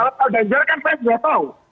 kalau pak ganjar kan saya sudah tahu